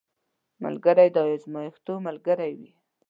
ملګری د ازمېښتو ملګری وي